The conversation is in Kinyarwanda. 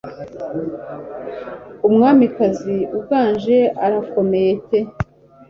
Umwamikazi uganje, arakomeye pe